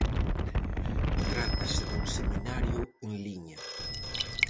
Trátase dun seminario en liña.